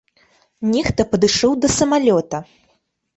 Нехта падышоў да самалёта.